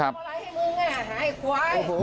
ขออะไรให้มึงเนี่ยหาไอ้ควาย